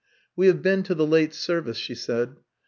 "We have been to the late service," she said.